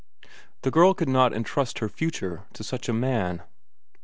The girl could not entrust her future to such a man.